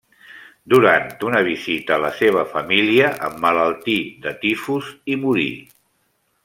Durant una visita a la seva família emmalaltí de tifus i morí.